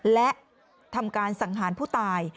และทำการสังหารผู้ตาย